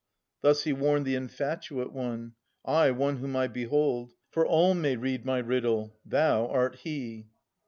Thus he warned The infatuate one : ay, one whom I behold ; For all may read my riddle — thou art he.